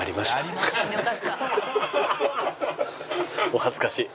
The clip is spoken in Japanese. お恥ずかしい。